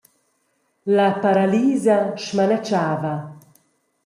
La paralisa smanatschava.